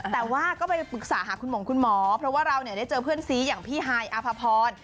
แต่ว่าก็ไปปรึกษาหาคุณหมอเพราะว่าเราได้เจอเพื่อนซีอย่างพี่ฮายอภพร